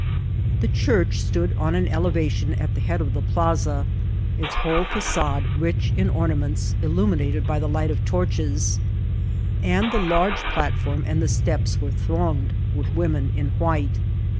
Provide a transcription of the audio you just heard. The chnrch stood on an ele vation at the head of the plaxa, its whcde fs^ade rich in ornaments illmninated b j the light of torches ; and the large platform and the steps were thronged with wcmien in white.